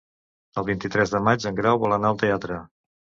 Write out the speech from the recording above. El vint-i-tres de maig en Grau vol anar al teatre.